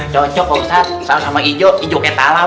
cocok ya ustadz sama sama ijo ijo kayak talam